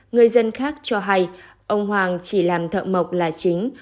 người dân khác cho hay ông hoàng chỉ làm thợ mộc là chính